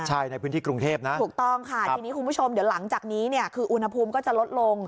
ใช่ในพื้นที่กรุงเทพนะถูกต้องค่ะทีนี้คุณผู้ชมเดี๋ยวหลังจากนี้เนี่ยคืออุณหภูมิก็จะลดลง